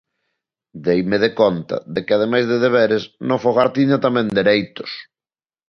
Deime de conta de que ademais de deberes no fogar tiña tamén dereitos.